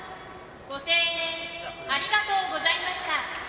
ご声援ありがとうございました。